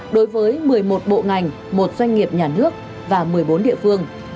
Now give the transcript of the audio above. đối với một mươi một bộ ngành một doanh nghiệp nhà nước và một mươi bốn địa phương